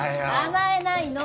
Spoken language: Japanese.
甘えないの。